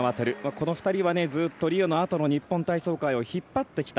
この２人はリオのあとの日本体操界をずっと引っ張ってきた。